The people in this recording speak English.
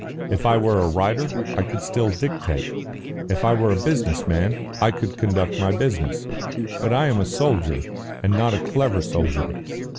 If I were a writer, I could still dictate. If I were a business man, I could conduct my business. But I am a soldier, and not a clever soldier.